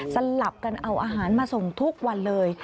สลับกันเอาอาหารมาส่งทุกวันเลย